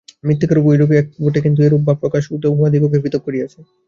মৃত্তিকারূপে ঐগুলি এক বটে, কিন্তু রূপ বা প্রকাশ উহাদিগকে পৃথক করিয়াছে।